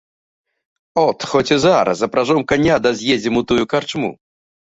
От, хоць і зараз, запражом каня да з'ездзім у тую карчму.